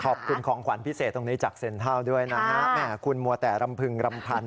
ขอบคุณของขวัญพิเศษตรงนี้จากเซ็นทรัลด้วยนะฮะแหมคุณมัวแต่รำพึงรำพันธ